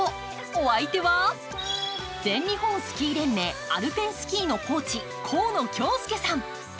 お相手は、全日本スキー連盟アルペンスキーのコーチ、河野恭介さん。